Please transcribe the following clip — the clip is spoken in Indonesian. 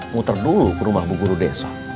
muter dulu ke rumah bu guru deso